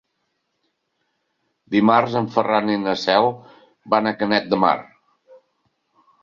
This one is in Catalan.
Dimarts en Ferran i na Cel van a Canet de Mar.